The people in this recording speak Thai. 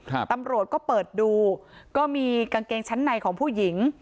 ตำรวจก็เปิดดูก็มีกางเกงชั้นในของผู้หญิง